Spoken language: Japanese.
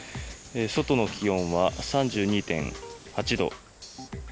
外の気温は３２．８度。